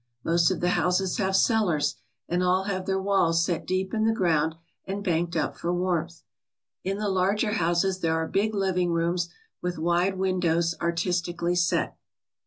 Most of the houses have cellars and all have their walls set deep in the ground and banked up for warmth. In the larger houses there are big living rooms with wide windows artistically set.